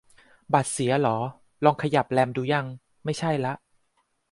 บัตรเสียเหรอ ลองขยับแรมดูยัง ? ไม่ใช่ละ